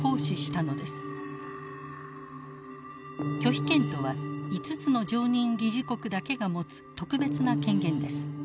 拒否権とは５つの常任理事国だけが持つ特別な権限です。